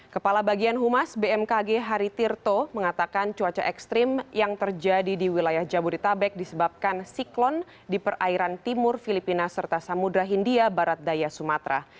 kepala bagian humas bmkg hari tirto mengatakan cuaca ekstrim yang terjadi di wilayah jabodetabek disebabkan siklon di perairan timur filipina serta samudera hindia barat daya sumatera